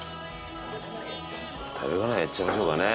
食べながらやっちゃいましょうかね。